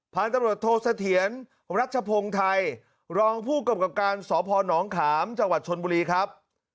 ๓ผลตำรวจโทษเถียนรัชพงศ์ไทยรองผู้กรรมการสอบพรหนองขามจังหวัดชนบุรีครับ